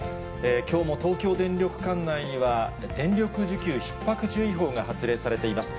きょうも東京電力管内には電力需給ひっ迫注意報が発令されています。